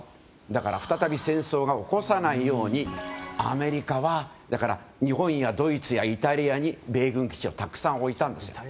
だから再び戦争を起こさないようにアメリカは日本やドイツやイタリアに米軍基地をたくさん置いたんです。